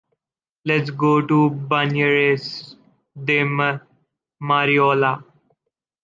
Let's go to Banyeres de Mariola.